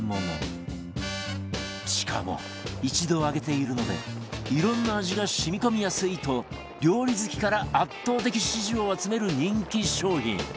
しかも一度揚げているのでいろんな味が染み込みやすいと料理好きから圧倒的支持を集める人気商品